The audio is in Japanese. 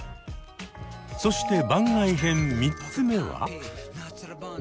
そして番外編３つ目は？